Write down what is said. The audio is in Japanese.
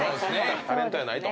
タレントやないと。